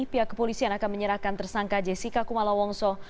pihak kepolisian akan menyerahkan tersangka jessica kumala wongso